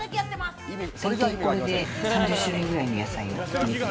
大体これで３０種類くらいの野菜を取っている。